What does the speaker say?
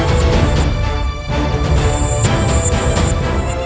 aku akan mengikuti kaca benggalaku